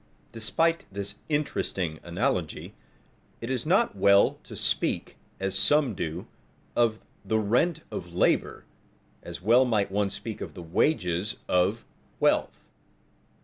Despite this interesting analogy, it is not well to speak, as some do, of "the rent of labor" as well might one speak of the wages of wealth.